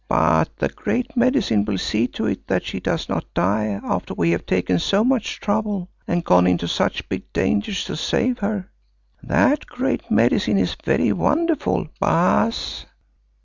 But the Great Medicine will see to it that she does not die after we have taken so much trouble and gone into such big dangers to save her. That Great Medicine is very wonderful, Baas.